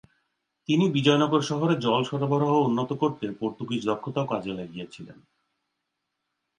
তিনি বিজয়নগর শহরে জল সরবরাহ উন্নত করতে পর্তুগিজ দক্ষতাও কাজে লাগিয়েছিলেন।